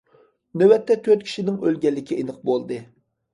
نۆۋەتتە تۆت كىشىنىڭ ئۆلگەنلىكى ئېنىق بولدى.